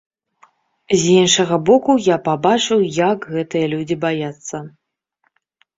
З іншага боку, я пабачыў, як гэтыя людзі баяцца.